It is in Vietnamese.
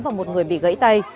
và một người bị gãy tay